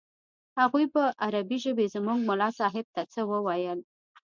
هغوى په عربي ژبه زموږ ملا صاحب ته څه وويل.